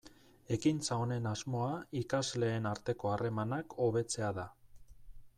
Ekintza honen asmoa ikasleen arteko harremanak hobetzea da.